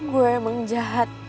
gue emang jahat